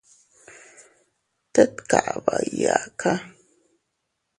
Tet kaba iyaaka.